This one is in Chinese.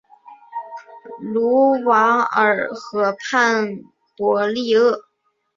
卢瓦尔河畔博利厄。